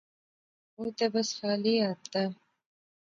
او تہ بس خالی ہتھ دا